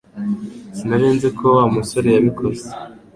Sinari nzi ko Wa musore yabikoze